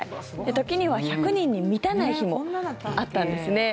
時には１００人に満たない日もあったんですね。